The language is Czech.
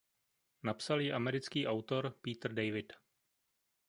Napsal ji americký autor Peter David.